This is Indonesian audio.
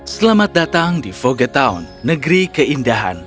selamat datang di vogetown negeri keindahan